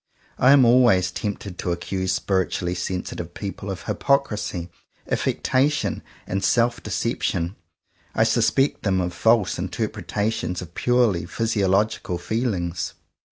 I am always tempted to accuse spiritually sensitive peo ple of hypocrisy, affectation, and self de ception. I suspect them of false interpre tations of purely physiological feelings.